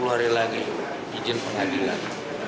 tiga puluh hari lagi izin pengadilan